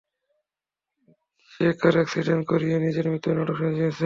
সে car accident করিয়ে নিজের মৃত্যুর নাটক সাজিয়েছে।